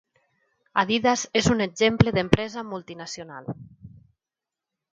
Adidas és un exemple d'empresa multinacional